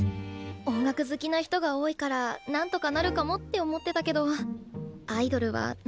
音楽好きな人が多いから何とかなるかもって思ってたけどアイドルはなかなか厳しそうだね。